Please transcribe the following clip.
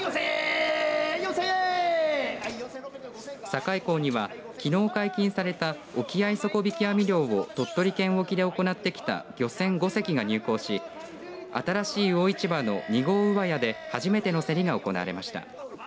境港にはきのう解禁された沖合底引き網漁を鳥取県沖で行ってきた漁船５隻が入港し新しい魚市場の２号上屋で初めての競りが行われました。